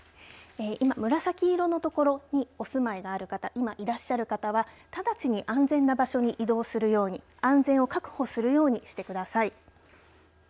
今、紫色のところにお住まいがある方今、いらっしゃる方は直ちに安全な場所に移動するように安全を確保するようにしてください。